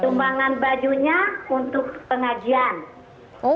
tumbangan bajunya untuk pengajian